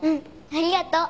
ありがとう。